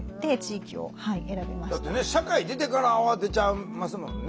だってね社会出てから慌てちゃいますもんね。